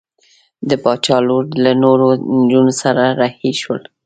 د باچا لور له نورو نجونو سره رهي شول.